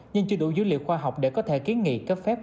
nhưng chưa đủ dữ liệu khoa học để có thể kiến nghị cấp phép khẩn cấp